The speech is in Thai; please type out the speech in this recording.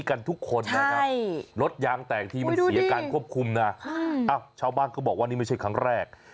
การควบคุมนะอ้าวชาวบ้านก็บอกว่านี่ไม่ใช่ครั้งแรก